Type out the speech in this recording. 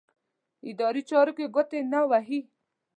اداري چارو کې ګوتې نه وهي.